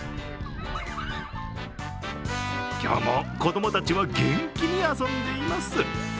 今日も子供たちは元気に遊んでいます。